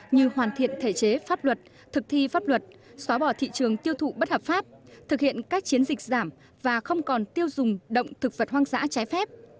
như hoàn thiện thể chế pháp luật thực thi pháp luật xóa bỏ thị trường tiêu thụ bất hợp pháp thực hiện các chiến dịch giảm và không còn tiêu dùng động thực vật hoang dã trái phép